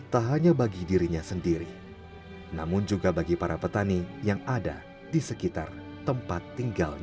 tak hanya bagi dirinya sendiri namun juga bagi para petani yang ada di sekitar tempat tinggalnya